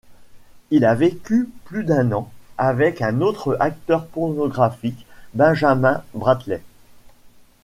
Il a vécu plus d'un an avec un autre acteur pornographique, Benjamin Bradley.